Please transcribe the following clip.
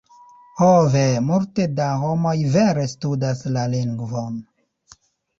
Ho ve, multe da homoj vere studas la lingvon.